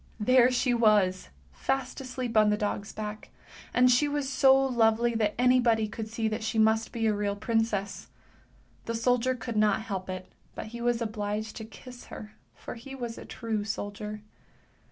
There she was, fast asleep on the dog's back, and she was so lovely that anybody could see that she must be a real princess! The soldier could not help it, but he was obliged to kiss her, for he was a true soldier.